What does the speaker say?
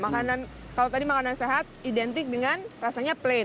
makanan kalau tadi makanan sehat identik dengan rasanya plain